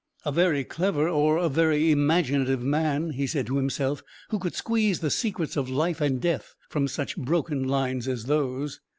"A very clever, or a very imaginative man," he said to himself, "who could squeeze the secrets of life and death from such broken lines as those!"